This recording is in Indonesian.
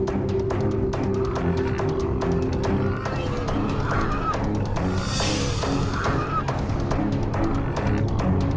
aduh banyak cepetan ya